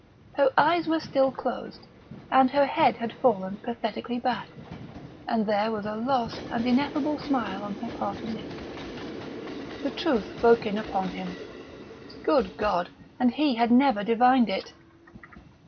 Her eyes were still closed, and her head had fallen pathetically back; and there was a lost and ineffable smile on her parted lips. The truth broke in upon him. Good God!... And he had never divined it!